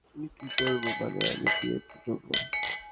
আমি কি করবো, মানে, আমি গিয়ে কি করবো?